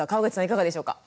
いかがでしょうか？